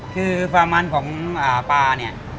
คือความมันของปลาเนี่ย